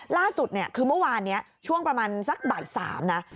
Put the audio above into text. ล่าสุดเนี่ยคือเมื่อวานนี้ช่วงประมาณสักบ่าย๓นะ